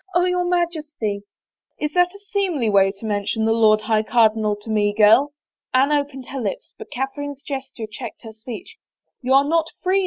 Oh, your Majesty —"" Is that a seemly way to mention the Lord High Cardinal to me, girl ?" Anne opened her lips but Cath erine's gesture checked her speech. " You are not free.